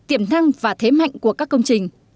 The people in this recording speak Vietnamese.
tiềm năng và thế mạnh của các công trình